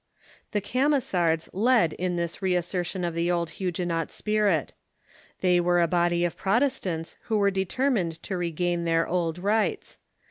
The Camisards led in this reassertion of the old Huguenot spirit. They were a body of Protestants who were determined .,^„., to regain their old rights.